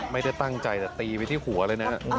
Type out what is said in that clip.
ไม่ได้ตั้งใจจะตีไปที่หัวเลยนะ